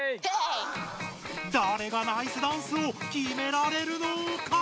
だれがナイスダンスをきめられるのか！？